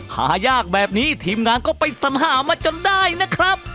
หายากแบบนี้ทีมงานก็ไปสัญหามาจนได้นะครับ